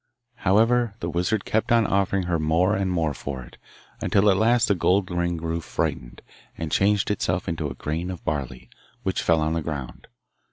However, the wizard kept on offering her more and more for it, until at last the gold ring grew frightened, and changed itself into a grain of barley, which fell on the ground.